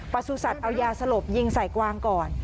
สุสัตว์เอายาสลบยิงใส่กวางก่อน